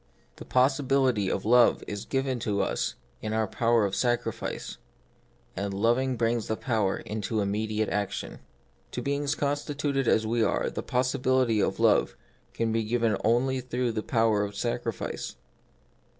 The possibility of love is given to us in our power of sacrifice ; and lov ing brings the power into immediate action. To beings constituted as we are the possi bility of love can be given only through the power of sacrifice.